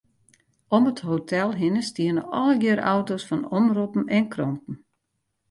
Om it hotel hinne stiene allegearre auto's fan omroppen en kranten.